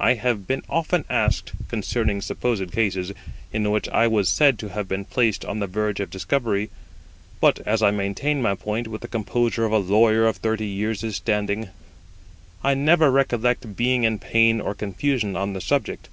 I have been often asked concerning supposed cases, in which I was said to have been placed on the verge of discovery; but, as I maintained my point with the composure of a lawyer of thirty years' standing, I never recollect being in pain or confusion on the subject.